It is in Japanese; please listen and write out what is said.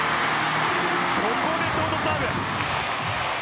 ここでショートサーブ。